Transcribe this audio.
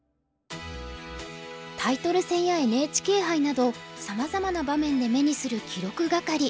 タイトル戦やＮＨＫ杯などさまざまな場面で目にする記録係。